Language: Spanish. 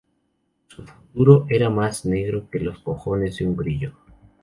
Su futuro era más negro que los cojones de un grillo